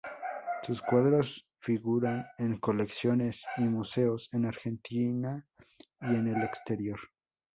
Sus cuadros figuran en colecciones y museos en Argentina y en el exterior.